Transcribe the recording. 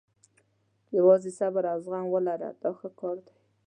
یوازې صبر او زغم ولره دا ښه کار دی.